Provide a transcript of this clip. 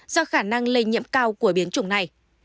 do khả năng lây nhiễm cao của biến chủng này